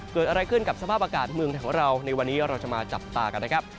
เกิดอะไรขึ้นกับสภาพอากาศเมืองไทยของเราในวันนี้เราจะมาจับตากันนะครับ